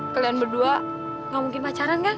kalian berdua gak mungkin pacaran kan